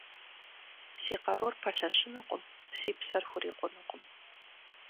Си къарур пэлъэщынукъым, си псэр хурикъунукъым.